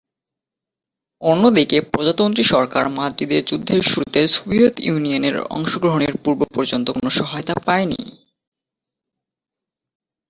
অন্যদিকে প্রজাতন্ত্রী সরকার মাদ্রিদের যুদ্ধের শুরুতে সোভিয়েত ইউনিয়নের অংশগ্রহণের পূর্ব-পর্যন্ত কোন সহায়তা পায়নি।